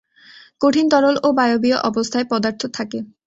কঠিন, তরল ও বায়বীয় অবস্থায় পদার্থ থাকে।